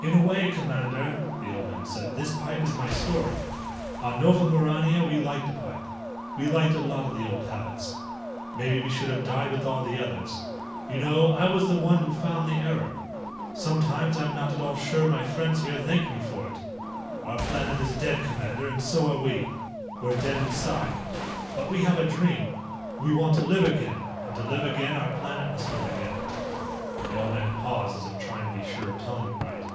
"In a way, Commander," the old man said, "this pipe is my story. On Nova Maurania we liked a pipe. We liked a lot of the old habits. Maybe we should have died with all the others. You know, I was the one who found the error. Sometimes I'm not at all sure my friends here thank me for it. Our planet is dead, Commander, and so are we. We're dead inside. But we have a dream. We want to live again. And to live again our planet must live again." The old man paused as if trying to be sure of telling it right.